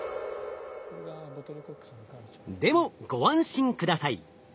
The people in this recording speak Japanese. でもご安心下さい。